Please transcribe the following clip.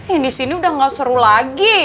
ya disini udah gak seru lagi